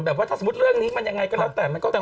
แบบว่าถ้าสมมุติเรื่องนี้มันยังไงก็แล้วแต่